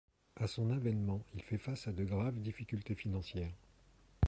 À son avènement, il fait face à de graves difficultés financières.